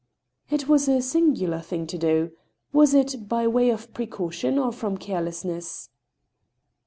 " It was a singular thing to do. Was it by way of precaution or from carelessness